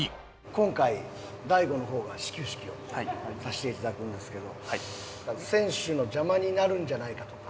今回大悟の方が始球式をさせていただくんですけど選手の邪魔になるんじゃないかとか。